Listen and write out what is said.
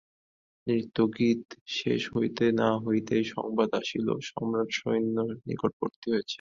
নৃত্যগীত শেষ হইতে না হইতেই সংবাদ আসিল সম্রাটসৈন্য নিকটবর্তী হইয়াছে।